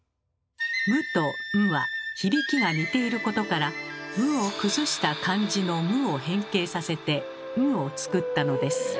「無」と「ん」は響きが似ていることから無を崩した漢字の「无」を変形させて「ん」を作ったのです。